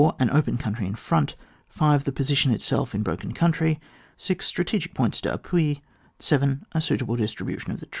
An open country in front. 5. The position itself in a broken country. 6. Strategic points d'appui. 7. A suitable distribution of the troops.